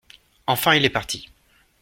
Enfin il est parti.